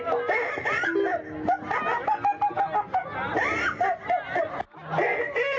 กิ๊ยจี้จากลิศแก้